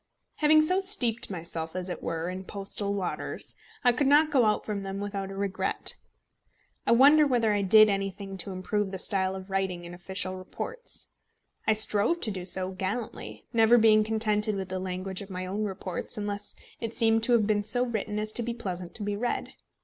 Having so steeped myself, as it were, in postal waters, I could not go out from them without a regret. I wonder whether I did anything to improve the style of writing in official reports! I strove to do so gallantly, never being contented with the language of my own reports unless it seemed to have been so written as to be pleasant to be read.